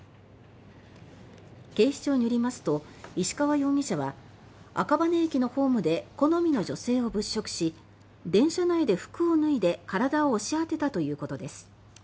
警視庁によりますと石川容疑者は赤羽駅のホームで好みの女性を物色し電車内で服を脱いで体を押し当てたということです。